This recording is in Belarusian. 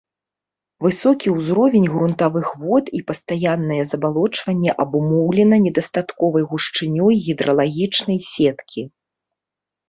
Высокі ўзровень грунтавых вод і пастаяннае забалочванне абумоўлена недастатковай гушчынёй гідралагічнай сеткі.